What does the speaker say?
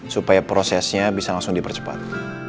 supaya prosesnya bisa langsung dipercepat